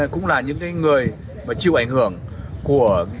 cũng là những người mà chịu ảnh hưởng của đoàn công tác